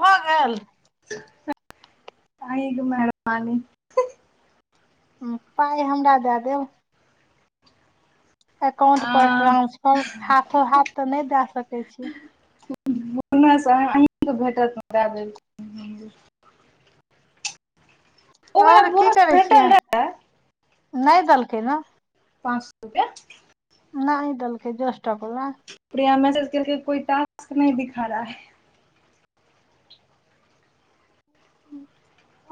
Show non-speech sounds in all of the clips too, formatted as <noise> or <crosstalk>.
भ गेल त अहीं के मेहरबानी पाइ हमरा दए देब एकाउंट पर अहाँ ट्रांसफर हाथो हाथ त नय दए सकैत छी अहीके भेटत द देब ओ और हमरा की बोनस करै भेटल छियै रहए नहि देलकै ने पाँच सौ रुपया नहि देलकय दसटा गोला प्रिया मैसेज केलकय कोई टास्क नहि दिखा रहा है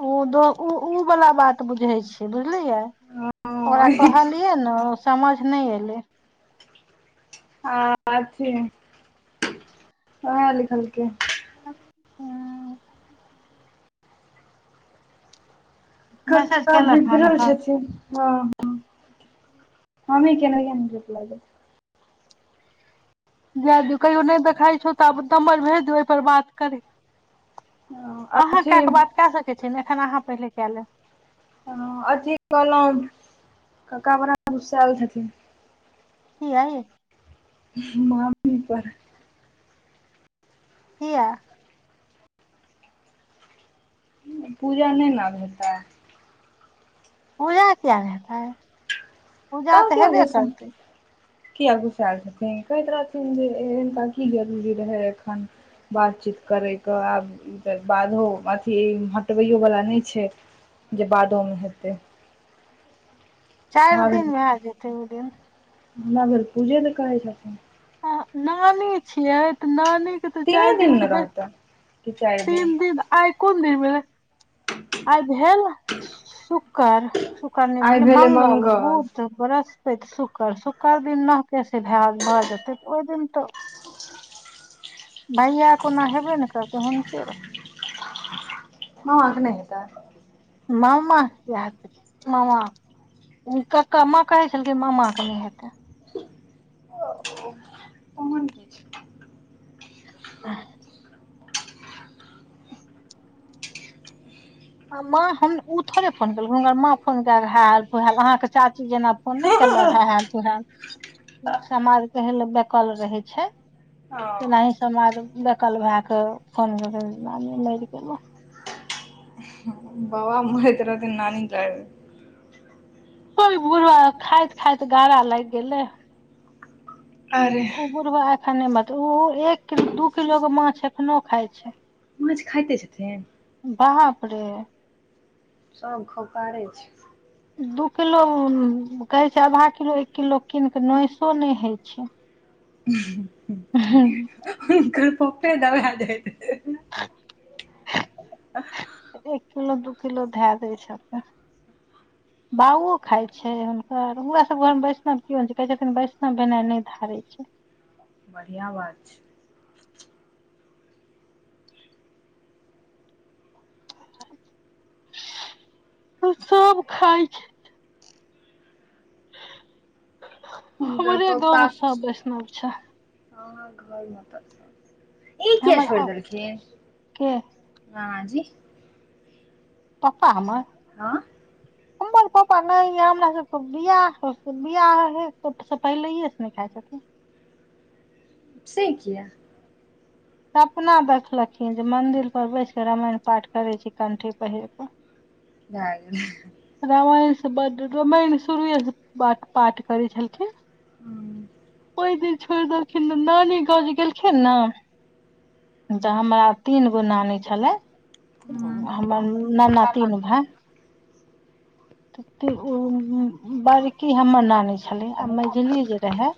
उ द उ वला बात बुझै छै बुझलियै ओकरा कहलियै ने समझ नहि एलै आ अथी ओहा लिखलखिन्ह मैसेज कक्का केलक हन बिगरल एखन छथिन्ह ह ह हमहि मे केना <unintelligible> जाए दियौ कहियो नहि देखाइ छौ तऽ आब <unintelligible> भेज देवै ओहिपर बात करे देथिन अहाँ अथी कए कऽ बात कए सकैत छियै ने एखन अहाँ पहिले कए लेब अथी कहलों कक्का बड़ा तमशाएल छथिन्ह कीया यई मामी पर किया पूजा नहि न हेतै पूजा किया नहि हेतै पूजा तब तऽ किया हेबे गुस्सा करतै किया घुसायल छथिन कहैत रहथिन जे हिनका की जरूरी रहै एखन बातचीत करयके आब ई त बाधो अथी हटबैओवला नहि छै जे बादोमे हेतय चारि दिन भेल भए जेतै ओ दिन हमरा घर पूजे ने करै छथिन अहां नानी छियै त नानी के तीने त‌चारि दिन ने स बै रहतै चारि दिन आय कोन दिन भेल आय भेल शुक्कर शुक्र नै आइ भेलै मङंग मंगल बुध बृहस्पति शुक्र शुक्र दिन नहकेस भे भजेतै त ओहि दिन त भैया कोना हेबे ने करतै हुनके रो ह आग नहि हेतै मामा किया हेतै मामा ककका माँ कहै छलखिन मामा के नहि हेतै ओ ओ हेन कि छै ह माँ हम उ थोेरे फोन केलक हुनकर माँ फोन क हल फ अहाँके चाची जेना फोन नहि केलक है ह तू हैल समाद केहला बेकल रहे छै हँ तनाहि समाज बेकल भए फोन करी मरि गेलहुँ बाबा मरैत रहथिन नानी जा ओइ बुढ़बा के खाइत खाइत गारा लागि गेलै अरे ओ बुढ़बा एखन नै मरतय ओ एक किलो दू किलोके माछ एखनोहु खाइ छै माछ खाइते छथिन बाप रे सभ खौकारे छै दू किलो कहैत छै आधा किलो एक किलो कीन कऽ नैसो नहि होइत छै <unintelligible> हं कालि पप्पे दबा जायत <unintelligible> एक किलो दू किलो धए दै छथिन <inaudible> भावो खाय छै हुनकर हमरा सब घरमे वैष्णव केवो नै छै कहे छथिन वैष्णव भेनाइ नहि धारे छै बढ़िया बात छै सभ खाय छै नहि भो <unintelligible> भो हुनकर पप्पा ह घर <unintelligible> मे त ई किया हमर छोइड़ आ देलखिन के ह जी पप्पा हमर हाँ हमर पप्पा नै य हमरा सभस बियाह बियाहे स पहिलेहेस नहि खाइ छथिन्ह से किया सपना देखलखिन्ह जे मन्दिर पर बैस क रामायण पाठ करय छी कण्ठी पहिर कऽ <unintelligible> रामायनसँ बड्ड रामायण शुरुएसँ पर पाठ करै छलखिन हूँ ओइ दिन छोड़ि देलखिन्ह नानी गाव जे गेलखिन्ह न तऽ हमरा तीन गो नानी छलै हूँ हमर नाना तीन भाय तते ओं बड़की हमर नानी छलै आ मैझिली जे र‌एहा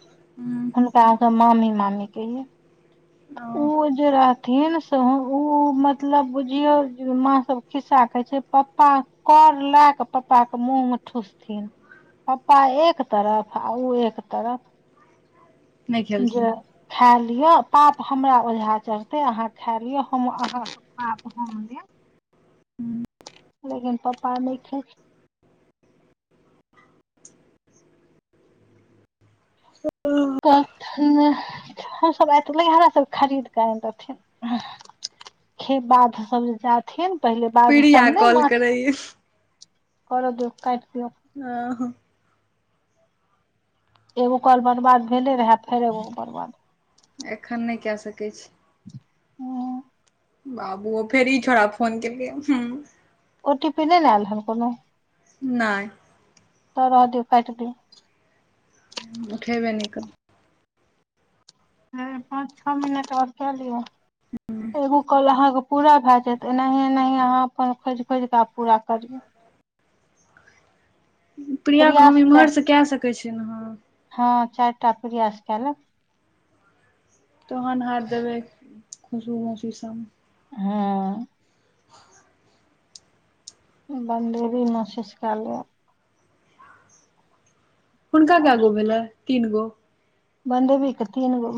हुनका हम सब मामी मामी कहियै ओ जे रहथिन्ह से उ मतलब बुझियौ जे माँ सभ खिस्सा कहे छै पप्पा कर लए कऽ पप्पा के मुँह मे ठुसथिन पप्पा एक तरफ आ ओ एक तरफ नहि खेलखिन जे खा लिय पाप हमरा ओझा चढ़तय आहां खायलियौ हम अहां के पाप हम लेब लेकिन पप्पा नहि ख हम सभ अ <unintelligible> ठमेहरा सभ खरीद कऽ आएल रहथिन्ह खे बाध सभ जे जाथिन पहिले बाध प्रिया सभ नहि कॉल माछ करैये करऽ दियौ काटि दियौ हें ह एगो कॉल बर्बाद भेले र‌एहा फेर एगो बर्बाद एखन नहि कए सकै छी हुं बाबू फेर ई छोड़ा फोन केलकै हूं ओ टी पी नहि ने आयल रहनि कोनो नहि तऽ रहऽ दियौ काटि दियौ उठेबे नहि करबै नहि पाँच छो मिनट आओर क लिय एगो कॉल अहाँके पूरा भय जायत एनाहे एनाहे अहाँ अपन खोज खोज कऽ आ पूरा करियौ प्रिया के हम प्रयास चार इम्हर से कै सकै छियै ने आहाँ हँ चाइटा प्रिया स कै लेब तोहन हाथ देबे खुशबूमुशी सब हँ बन्देरी महसूस कए ले हुनका क्या गो भेलै तीन गो बन्देवी केँ एक तीन गो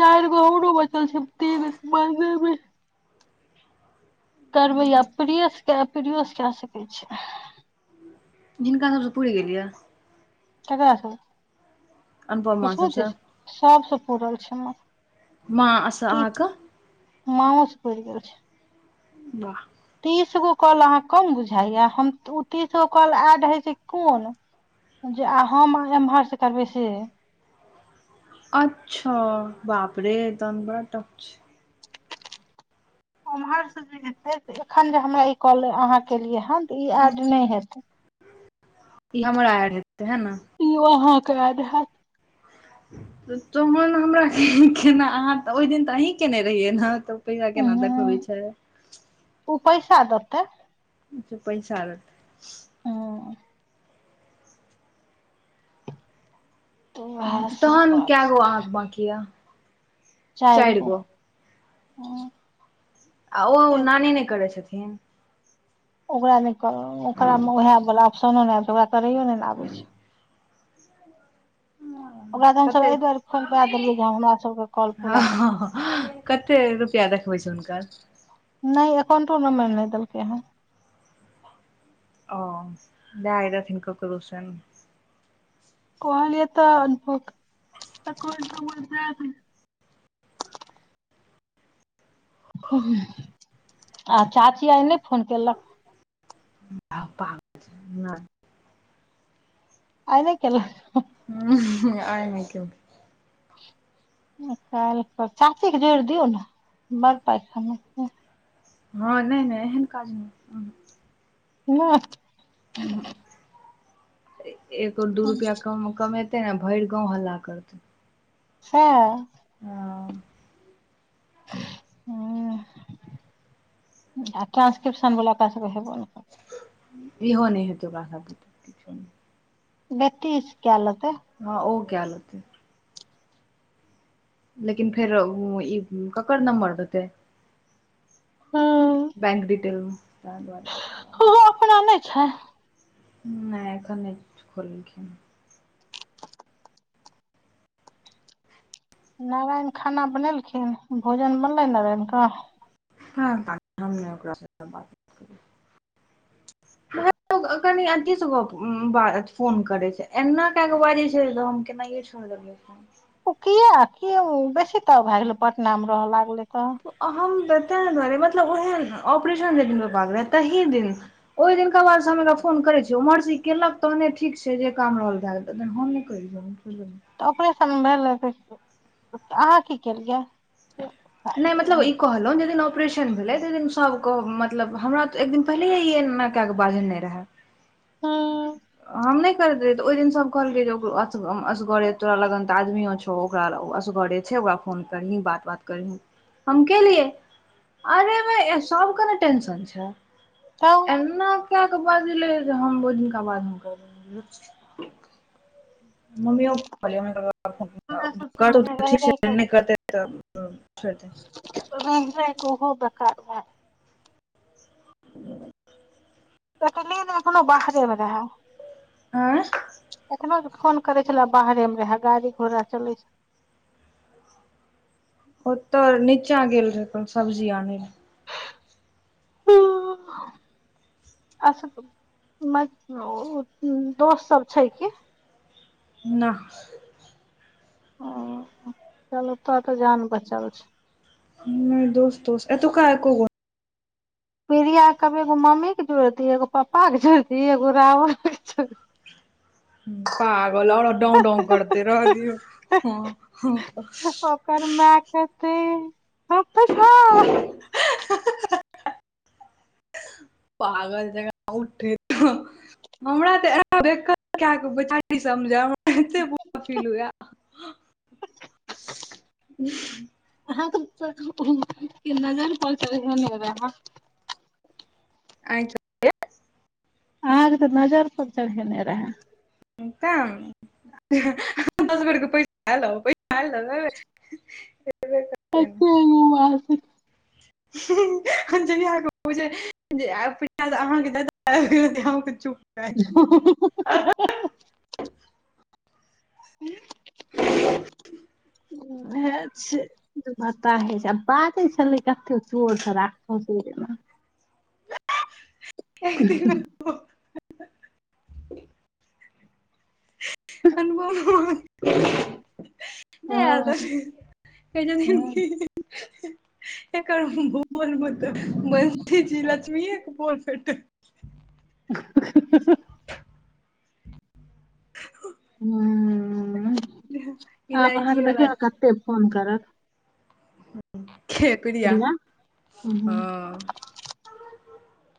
चारि गो औरो बचल छै <unintelligible> मे <unintelligible> कए सकै छी जिनका सबस पूर गेलियै ककर सँ अनुपमा खुशबु सभसँ दिदी सबसँ पूरल छै हमर माँसँ अहाँके माँ ओ पर गेल छै वाह तीस गो कॉल अहाँ कम बुझाइय हम ओ तीस गो कॉल एड होइ छै कोन जे आ हम एम्हर से करबै से अच्छा बाप रे तन बड़ा टफ छै उम्हर से जे हेतै से एखन जे हमरा ई कॉल अहाँ केलियै हन तऽ ई एड नहि हेतै ई हमरा एड हेतै है इ अहाँक एड हैत तोन हमरा केना अहाँ ओहि दिन तऽ अही केने रहियै ने त <unintelligible> उम्म देखखबै छै ओ पैसा देतै ओ पैसा <unintelligible> ह तऽ उएह तऽ सब तहन बात कैय छै गो अहाँके बाकी यए चारि गो आ ओ ना नहि करै छथिन ओकरा नहि कर ओकरा मे ओएह वला ऑप्शनो नहि आबत छै ओकरा करैयो नहि ने आबै छै ओकरा तऽ हमसभ कते एहि दुआरे फोन कर देलियै जे हमरा सबके कॉल पूरा कर हँ कते रुपआ देखबै छै हुनकर नहि एककाउंटो नम्बर नहि देलकै हँ ओ दाय रहथिन करू सन कहलियए तऽ अनुभव त <unintelligible> आ चाची आइ नहि फोन कलक आ पा नहि आइन केेल <unintelligible> आ नहि काल्हि चाची के जोड़ि दियऔ ने बड़ पैसामे हँ नहि नहि एहन काज नहि नहि ह एक ओ दू रुपआ कम कमे ने भरि गाँव हल्ला करतै हँ ह ह आ टानंसक्रिप्शन बला कऽ सब हेबो ने बिहो नहि हेतौ ओकरा सबके बेतीसकेल तऽ हँ ओ काम लतै लेकिन फेर उ ई ककर नम्बर देते हँ बैंक डिटेल ओहो अपना नहि छै नहि एखन खोलखिन नारायण खाना बनेलखिन भोजन बनलै नारायणके हँ ह हम न ओकरा सब स बात करे छी ए कनि अथीसँ गप बात फोन करै छै एना कए कऽ बाज जे छै के नहि छोर देलये फोन ओ किया कि बेसी तऽ भए गेलै पटना मे रहय लागलै तऽ तऽ तेहि दुआरे मतलब ओहे ऑपरेशन दिन भाग रहेै तही दिन ओहि दिनका बाद से हम एकरा फोन करे छीय ओ मर्जी केलक तहने ठीक छै जे काम रहल भय गेल हम नहि करै छी <inaudible> तऽ ऑपरेशन भेलैऽ अहाँ की केलियै नहि मतलब कहलहुँ जाहि दिन ऑपरेशन भेलै तहि दिन सभके मतलब हमरा तऽ एक दिन पहिलेे ई बझ नहि रहै हूँ हम नहि करैत रहै तऽ ओहि दिन सब कहलकै जे ओ अस असगरे तोरा लगन तऽ आदमियो छौ ओकरा ओ असगरे छै ओकरा फोन करनी बात बात करही हम केलियए अरे सबके ने टेंशन छै त एना काय के बजलय जे हम ओई दिनका बाद हम करबै न करलियई भक मम्मी क कहलियई त मम्मी हमरा क कहलकई सबसँ करतो रहि थिक रहि छै नहि करतैय तब त छोर दिही रहै रहै उहो बेकार ह त ने एखनो बाहरे मे रहै आँय एखनो फोन करे छले बाहरे मे रहे गाड़ी घोड़ा चलै छल ओतो नीचाँ गेल रहे कोनो सब्जी आनय ले ह आर सब दोस्त सब छै की नहि ह चलु तब तऽ जान बचल छै नहि दोस दोस एतूका एको गो नई पीरिया क कहबई एगो मम्मी के जोड़ दिही एगो पप्पा के जुड़ती एगो राहुल क जोड़ दिही पागल आओ डोउ डोउ करते रह दियौ ओकर माय कहते होअ पीसा हा हा हा पागल जका उठै हमरा तऽ बे कए कचारी समझ हमरा एते बुरा फील हुए <unintelligible> आहाँ कतय उ नजर पर चरहोने हेबई आहाँ <inaudible> अहाँके तऽ नजर पर चढ़ेने रहे ताने दस बेर क पैसा आलो पैसा आलो ह <unintelligible> ह जहिया क उ बुझे अहाँके ज्यदा आबि गेल तहिया क चुप <inaudible> वेह छै बता है छै आ बाजै छलै कतेक चोर छ राौरमे <unintelligible> अनुभव नहि तऽ हँ कहै छथिन कि एकार बोल मत बन्शी जी लक्ष्मी एक बोल भेट <unintelligible> <unintelligible> ह, अब बाहर इलायची देखियौ वाला ने कतेक फोन करत। के गुरिया प्रिया हैं।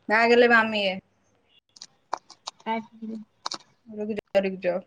भऽ गेलल भामी। त। रुक जाउ रुक जाउ।